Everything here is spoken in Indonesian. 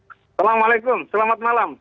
assalamualaikum selamat malam